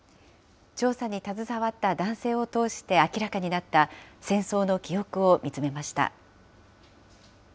調査に携わった男性を通して明らかになった、戦争の記憶を見つめました。